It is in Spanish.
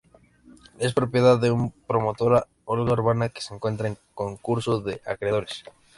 Es propiedad de la promotora Olga Urbana, que se encuentra en concurso de acreedores.